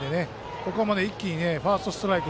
ここも一気にファーストストライク